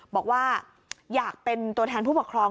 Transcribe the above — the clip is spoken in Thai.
บอกว่าอยากเป็นตัวแทนผู้ปกครอง